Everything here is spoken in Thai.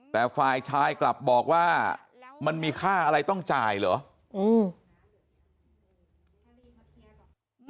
แต่ฝ่ายชายกลับบอกว่ามันมีค่าอะไรต้องจ่ายเหรออืม